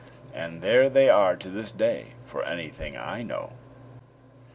And there they are to this day, for anything I know.